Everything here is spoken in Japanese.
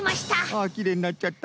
あきれいになっちゃった。